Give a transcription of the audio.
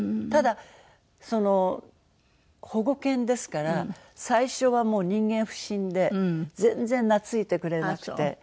ただその保護犬ですから最初はもう人間不信で全然懐いてくれなくて。